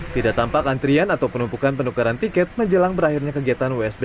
tidak tampak antrian atau penumpukan penukaran tiket menjelang berakhirnya kegiatan wsb